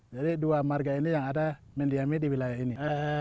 jadi dua marga ini yang ada mendiami di wilayah ini